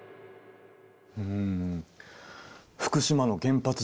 うん福島の原発事故。